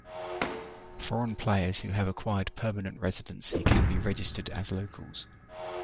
Foreign players who have acquired permanent residency can be registered as locals.